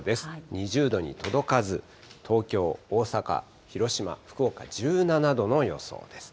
２０度に届かず、東京、大阪、広島、福岡１７度の予想です。